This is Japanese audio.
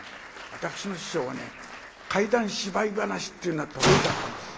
私の師匠は怪談芝居噺っていうのが得意だったんです。